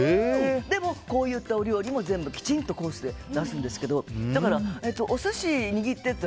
でもこういったお料理もちゃんとコースで出すんですけどだからお寿司握ったやつ。